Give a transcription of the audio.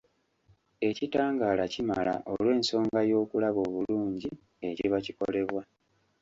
Ekitangaala kimala olw’ensonga y’okulaba obulungi ekiba kikolebwa.